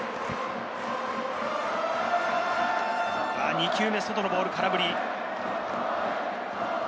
２球目、外のボール、空振り。